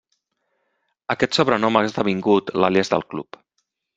Aquest sobrenom ha esdevingut l'àlies del club.